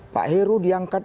pak heru diangkat